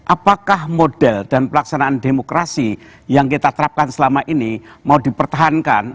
apakah model dan pelaksanaan demokrasi yang kita terapkan selama ini mau dipertahankan